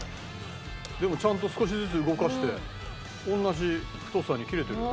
でもちゃんと少しずつ動かして同じ太さに切れてるよ。